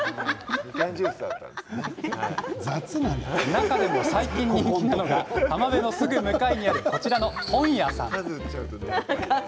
中でも最近、人気なのが浜辺のすぐ向かいにあるこちらの本屋さん。